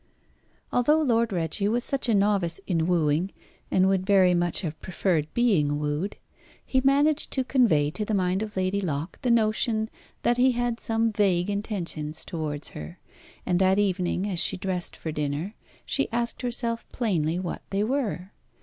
Although Lord Reggie was such a novice in wooing, and would very much have preferred being wooed, he managed to convey to the mind of Lady Locke the notion that he had some vague intentions towards her. And that evening, as she dressed for dinner, she asked herself plainly what they were.